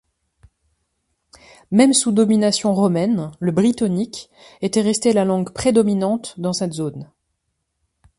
Même sous domination romaine, le brittonique était resté la langue prédominante dans cette zone.